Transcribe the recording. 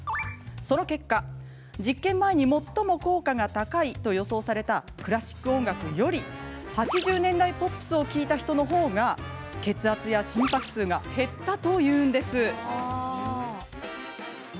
その結果、実験前に最も効果が高いと予想されたクラシック音楽より８０年代ポップスを聴いた人の方が、血圧や心拍数が減ったというんです。